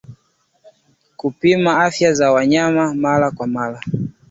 Kupima afya za wanyama mara kwa mara